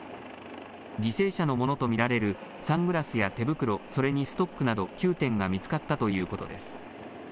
犠牲者のものと見られるサングラスや手袋、それにストックなど９点が見つかったということです。